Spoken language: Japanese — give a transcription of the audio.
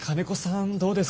どうですか？